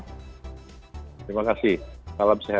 terima kasih salam sehat